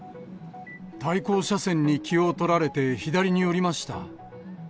対向車線に気を取られて、左に寄りました。